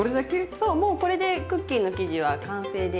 そうもうこれでクッキーの生地は完成です。